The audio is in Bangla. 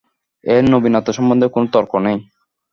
এঁর নবীনতা সম্বন্ধে কোনো তর্ক নেই।